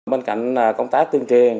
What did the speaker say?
bên cạnh công tác tương truyền